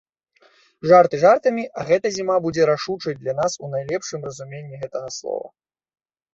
Жарты жартамі, а гэта зіма будзе рашучай для нас у найлепшым разуменні гэтага слова.